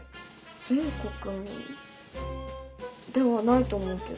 全国民ではないと思うけど。